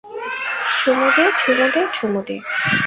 চুমো দে, চুমো দে, চুমো দে!